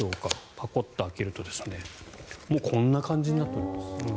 パコッと開けるともうこんな感じになっています。